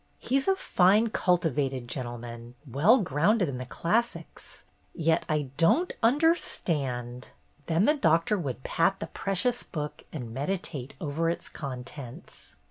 He's a fine, cultivated gentleman, well grounded in the classics. Yet I don't under stand —" Then the Doctor would pat the precious book and meditate over its contents.